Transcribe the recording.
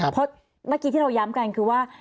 เพราะเมื่อกี้ที่เราย้ำกันคือว่า